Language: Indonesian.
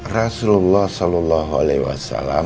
rasulullah sallallahu alaihi wasallam